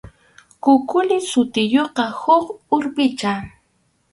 Kukuli sutiyuqqa huk urpicha.